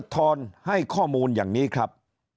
ทรให้ข้อมูลอย่างนี้ครับ